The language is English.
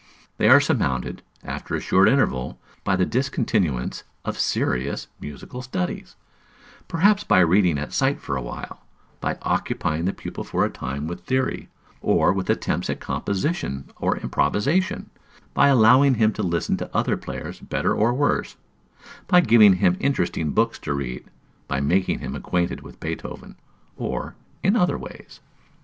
They are surmounted, after a short interval, by the discontinuance of serious musical studies; perhaps by reading at sight for a while; by occupying the pupil for a time with the theory, or with attempts at composition or improvisation; by allowing him to listen to other players better or worse; by giving him interesting books to read; by making him acquainted with Beethoven, or in other ways.